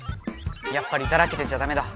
やっぱりダラけてちゃダメだ。